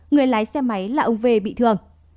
người lái xe máy là ông vê bị thương